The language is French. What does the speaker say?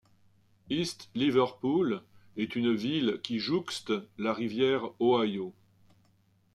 East Liverpool est une ville qui jouxte la riviere ohio.